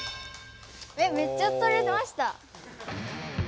えめっちゃとれました。